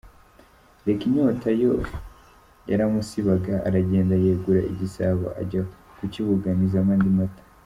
Reka inyota yo, yaramusibaga! Aragenda yegura igisabo ajya kukibuganizamo andi mata.